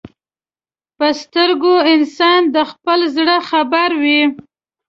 په سترګو انسان د خپل زړه خبر وي